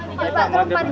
iya pak pak